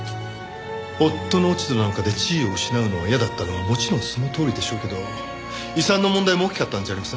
夫の落ち度なんかで地位を失うのが嫌だったのはもちろんそのとおりでしょうけど遺産の問題も大きかったんじゃありません？